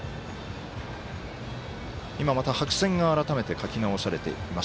今、また白線が改めて書き直されています。